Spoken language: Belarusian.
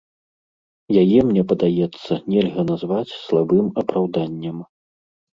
Яе, мне падаецца, нельга назваць слабым апраўданнем.